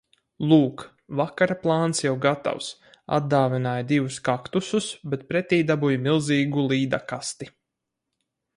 Lūk, vakara plāns jau gatavs. Atdāvināju divus kaktusus, bet pretī dabūju milzīgu līdakasti.